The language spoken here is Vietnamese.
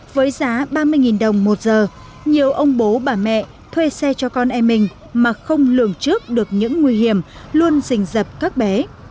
với giá ba mươi đồng một giờ nhiều ông bố bà mẹ thuê xe cho con em mình mà không lường trước được những nguy hiểm luôn rình dập các bé